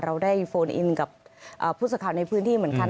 เราได้โฟนอินกับผู้สื่อข่าวในพื้นที่เหมือนกัน